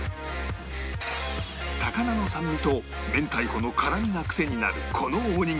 高菜の酸味と明太子の辛みがクセになるこのおにぎり